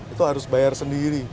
itu harus bayar sendiri